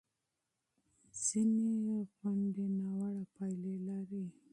ځینې پروګرامونه ناوړه پایلې لري.